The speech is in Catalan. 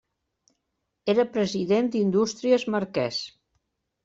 Era president d'Indústries Marquès.